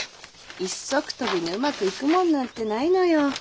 一足飛びにうまくいくもんなんてないのよ。